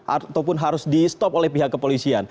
ataupun harus di stop oleh pihak kepolisian